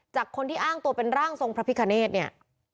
คนที่อ้างตัวเป็นร่างทรงพระพิคเนธเนี่ย